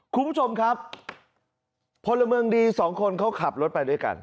คุณผู้ชมครับพลเมืองดีสองคนเขาขับรถไปด้วยกัน